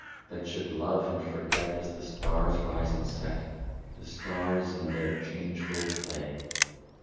That should love and forget, as the stars rise and set, — The stars in their changeful play.